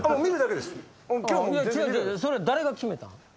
それ誰が決めたん？